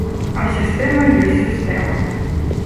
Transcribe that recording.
Але сістэма ёсць сістэма.